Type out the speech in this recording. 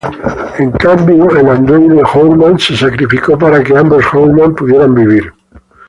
En cambio, el androide Hourman se sacrificó para que ambos Hourman pudieran vivir.